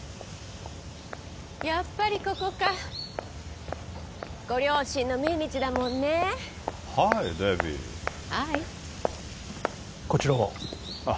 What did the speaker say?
やっぱりここかご両親の命日だもんねハイデビーハーイこちらは？